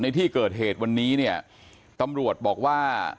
ในที่เกิดเหตุวันนี้เนี่ยตำรวจบอกว่า